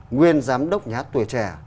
nguyên giám đốc nhà hát tuổi trẻ